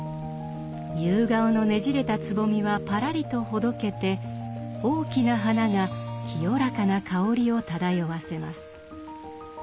夕顔のねじれたつぼみはぱらりとほどけて大きな花が清らかな香りを漂わせます。